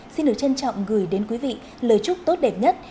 xin được trân trọng gửi đến quý vị lời chúc tốt đẹp nhất